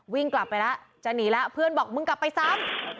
วิ่งกลับไปแล้วจะหนีแล้วเพื่อนบอกมึงกลับไปซ้ำ